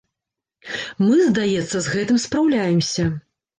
Мы, здаецца, з гэтым спраўляемся.